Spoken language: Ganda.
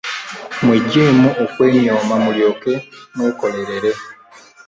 Mweggyeemu okwenyooma mulyoke mwekolerere.